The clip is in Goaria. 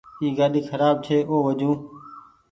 اي گآڏي کراب ڇي او وجون۔